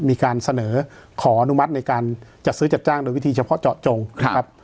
มีการเสนอขออนุมัติในการจัดซื้อจัดจ้างโดยวิธีเฉพาะเจาะจงนะครับ